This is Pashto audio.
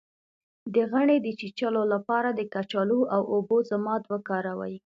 د غڼې د چیچلو لپاره د کچالو او اوبو ضماد وکاروئ